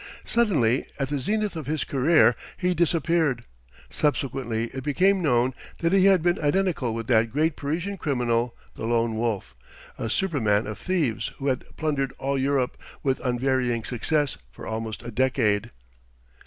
Suddenly, at the zenith of his career, he disappeared. Subsequently it became known that he had been identical with that great Parisian criminal, the Lone Wolf, a superman of thieves who had plundered all Europe with unvarying success for almost a decade."